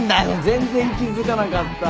全然気付かなかった。